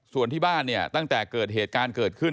ส่วนที่บ้านเนี่ยตั้งแต่เกิดเหตุการณ์เกิดขึ้น